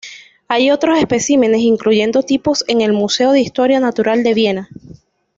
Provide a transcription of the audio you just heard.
Hay otros especímenes, incluyendo tipos en el Museo de Historia Natural de Viena.